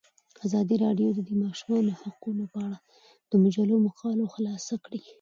ازادي راډیو د د ماشومانو حقونه په اړه د مجلو مقالو خلاصه کړې.